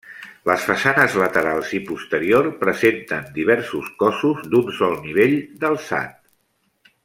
Les façanes laterals i posterior presenten diversos cossos d'un sol nivell d'alçat.